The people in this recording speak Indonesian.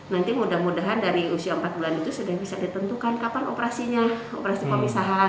nanti mudah mudahan dari usia empat bulan itu sudah bisa ditentukan kapan operasinya operasi pemisahan